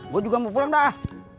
gue juga mau pulang dah